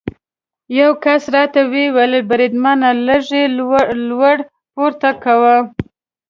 یو کس راته وویل: بریدمنه، لږ یې لوړ پورته کوه.